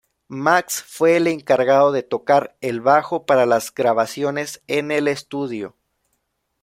Max fue el encargado de tocar el bajo para las grabaciones en el estudio.